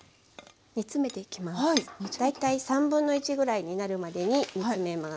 大体1/3ぐらいになるまでに煮詰めます。